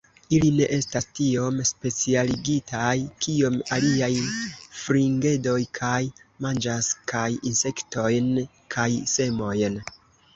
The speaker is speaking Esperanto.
Ili ne estas tiom specialigitaj kiom aliaj fringedoj, kaj manĝas kaj insektojn kaj semojn.